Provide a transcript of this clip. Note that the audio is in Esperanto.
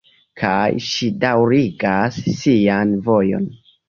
Kaj ŝi daŭrigas sian vojon.